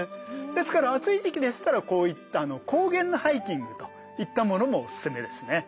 ですから暑い時期でしたらこういった高原のハイキングといったものもおすすめですね。